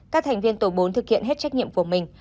các thành viên tổ bốn thực hiện hết trách nhiệm của mình